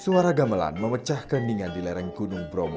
suara gamelan memecahkan lingan di lereng gunung bromo